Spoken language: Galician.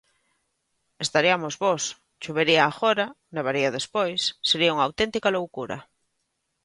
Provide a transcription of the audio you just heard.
Estariamos bos, chovería agora, nevaría despois, sería unha auténtica loucura.